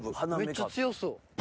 めっちゃ強そう。